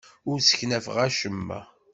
Ur sseknafeɣ acemma.